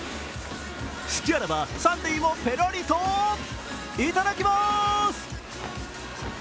隙あらば三塁もペロリといただきまーす。